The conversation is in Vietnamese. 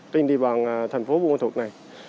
trên địa bàn thành phố bùa ma thuột này